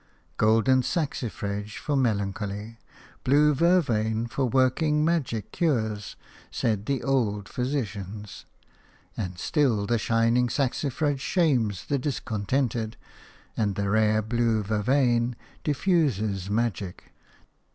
"Golden saxifrage for melancholy, blue vervain for working magic cures," said the old physicians; and still the shining saxifrage shames the discontented, and the rare blue vervain diffuses magic.